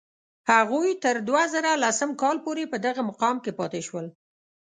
هغوی تر دوه زره لسم کال پورې په دغه مقام کې پاتې شول.